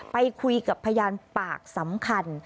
ไปคุยกับพยานปากสำคัญ